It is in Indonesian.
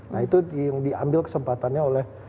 nah itu yang diambil kesempatannya oleh